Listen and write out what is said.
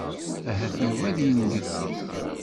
Ahat Yuba ad yengef.